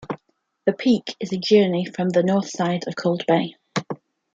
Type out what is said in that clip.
The peak is a journey from the north side of Cold Bay.